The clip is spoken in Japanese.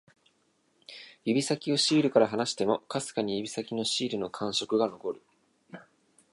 指先をシールから離しても、かすかに指先にシールの感触が残る